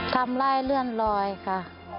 ทำร้ายเลื่อนลอยค่ะ